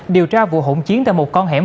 điều tra vụ hỗn chiến tại một con hẻm